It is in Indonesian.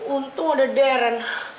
untung ada darren